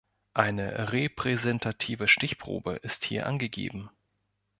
Eine repräsentative Stichprobe ist hier angegeben.